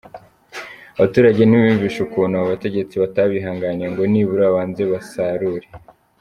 Abaturage ntibiyumvisha ukuntu abo bategetsi batabihanganiye, ngo nibura babanze basarure.